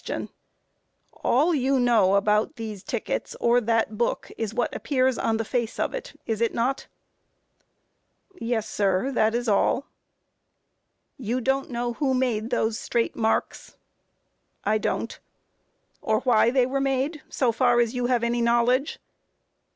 All you know about these tickets or that book, is what appears on the face of it, is it not? A. Yes, sir; that is all. Q. You don't know who made those straight marks? A. I don't. Q. Or why they were made, so far as you have any knowledge?